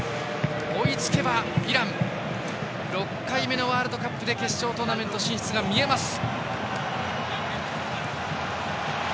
追いつけばイラン６回目のワールドカップで決勝トーナメント進出が見えます。